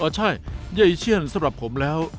ใช่เย่อีเชียนสำหรับผมแล้ว